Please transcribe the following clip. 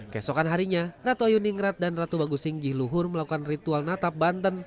kesokan harinya ratu ayu ningrat dan ratu bagusinggi luhur melakukan ritual natap banten